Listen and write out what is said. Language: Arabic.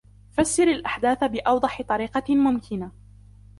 فسر الأحداث بأوضح طريقة ممكن.